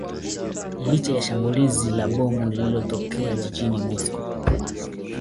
licha ya shambulio la bomu lililotokea jijini moscow